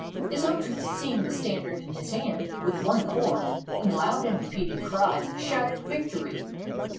His own troops seeing the standard in his hand, with one accord, in loud and repeated cries, shouted victory.